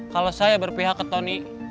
kalau saya berpihak ke tony